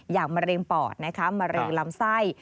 อย่างมะเร็งปอดมะเร็งลำไส้